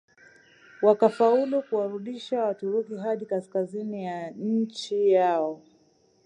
Wakafaulu kuwarudisha Waturuki hadi kaskazini ya nchi yao